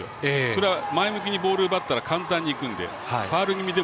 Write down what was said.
それは前向きにボール奪ったら簡単にファウルになるので。